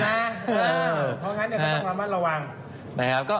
เพราะฉะนั้นก็ต้องระมัดระวัง